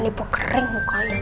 yuk eh sana